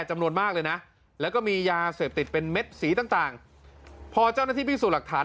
มียาเสพติดเป็นเม็ดสีต่างพอเจ้าหน้าที่พี่สู่หลักฐาน